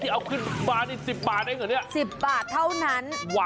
เอาขึ้น๑๐บาทเองเหรอนี่ว้าว๑๐บาทเท่านั้น